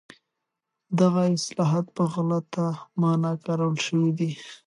دغه اصطلاح په غلطه مانا کارول شوې ده.